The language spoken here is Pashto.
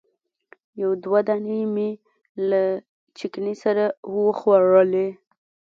یو دوه دانې مې له چکني سره وخوړلې.